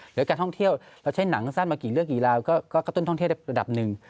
หรือการท่องเที่ยวเราใช้หนังสั้นมากี่เรื่องกี่ราวก็กระตุ้นท่องเที่ยวได้ระดับหนึ่ง